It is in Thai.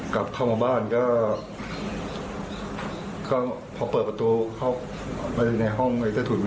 กลับเข้ามาบ้านก็พอเปิดประตูเข้าไปในห้องในใต้ถุน